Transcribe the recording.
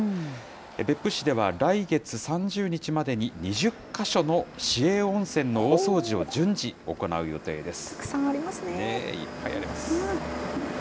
別府市では来月３０日までに、２０か所の市営温泉の大掃除を順次行う予定です。